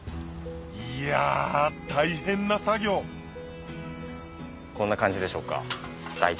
いやぁ大変な作業こんな感じでしょうか大体。